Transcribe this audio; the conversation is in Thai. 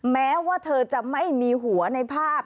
แม้ว่าเธอจะไม่มีหัวในภาพ